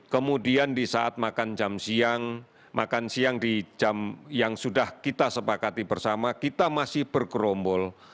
kemudian di saat makan siang di jam yang sudah kita sepakati bersama kita masih berkerombol